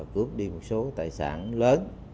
cướp đi một số tài sản lớn